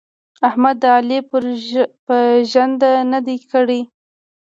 احمد د علي پر ژنده نه دي کړي.